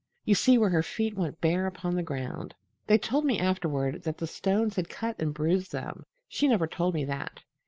You see where her feet went bare upon the ground. They told me afterward that the stones had cut and bruised them. She never told me that.